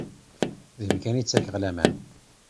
Deg-m kan i ttakeɣ laman.